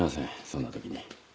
そんな時に。